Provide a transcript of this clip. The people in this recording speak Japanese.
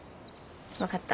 分かった？